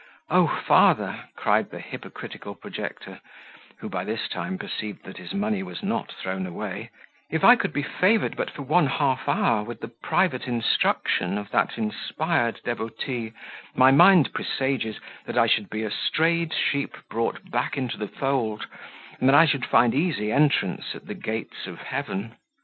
"O father!" cried the hypocritical projector, who by this time perceived that his money was not thrown away, "if I could be favoured but for one half hour with the private instruction of that inspired devotee, my mind presages, that I should be a strayed sheep brought back into the fold, and that I should find easy entrance at the gates of heaven!